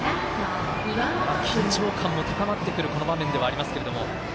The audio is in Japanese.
緊張感も高まってくるこの場面ではありますが。